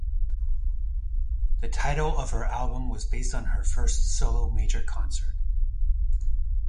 The title of her album was based on her first solo major concert.